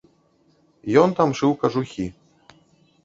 Ён там шыў кажухі.